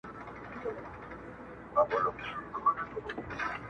خُم ته یو راغلي په دمدار اعتبار مه کوه!